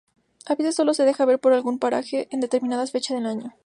A veces sólo se dejan ver por algún paraje en determinada fecha del año.